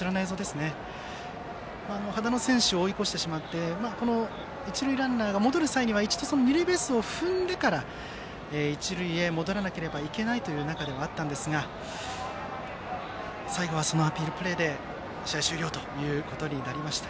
羽田野選手を追い越してしまって一塁ランナーが戻る際には一度、二塁ベースを踏んでから一塁へ戻らないといけないという中ではあったんですが最後は、そのアピールプレーで試合終了ということになりました。